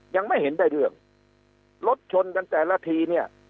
ยังไม่เห็นได้เรื่องรถชนกันแต่ละทีเนี่ย